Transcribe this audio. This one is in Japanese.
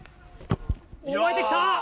超えてきた。